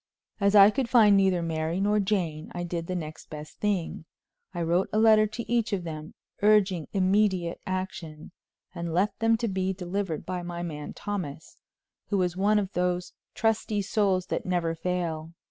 As I could find neither Mary nor Jane, I did the next best thing: I wrote a letter to each of them, urging immediate action, and left them to be delivered by my man Thomas, who was one of those trusty souls that never fail.